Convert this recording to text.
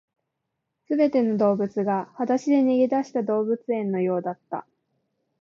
全ての動物が裸足で逃げ出した動物園のようだった